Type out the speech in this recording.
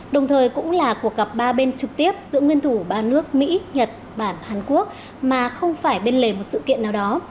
đồng thời cũng là cuộc gặp ba bên trực tiếp giữa nguyên thủ ba nước mỹ nhật bản hàn quốc mà không phải bên lề một sự kiện nào đó